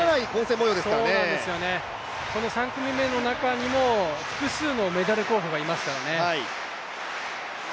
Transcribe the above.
そうなんですよね、この３組目の中にも複数のメダル候補がいますからね。